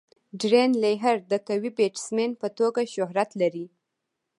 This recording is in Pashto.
ډیرن لیهر د قوي بيټسمېن په توګه شهرت لري.